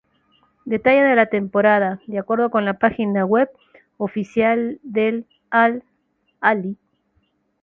Detalle de la temporada: De acuerdo con la página web oficial del Al-Ahly